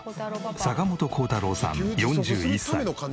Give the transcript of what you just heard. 坂本耕太郎さん４１歳。